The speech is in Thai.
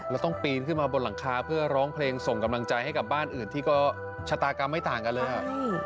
แล้วต้องปีนขึ้นมาบนหลังคาเพื่อร้องเพลงส่งกำลังใจให้กับบ้านอื่นที่ก็ชะตากรรมไม่ต่างกันเลยครับ